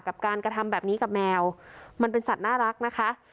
กับการกระทำแบบนี้กับแมวมันเป็นสัตว์น่ารักนะคะ